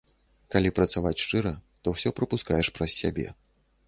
Калі працаваць шчыра, то ўсё прапускаеш праз сябе.